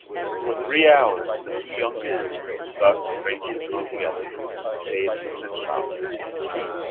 For three hours the two young men, thus strangely thrown together, stayed in the printshop.